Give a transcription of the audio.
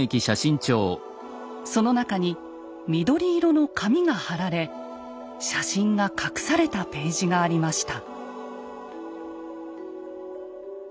その中に緑色の紙が貼られ写真が隠されたページがありました。